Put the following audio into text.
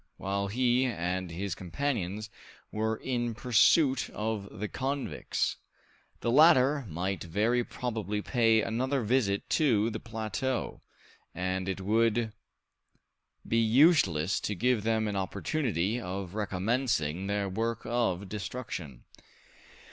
While he and his companions were in pursuit of the convicts, the latter might very probably pay another visit to the plateau, and it would be useless to give them an opportunity of recommencing their work of destruction.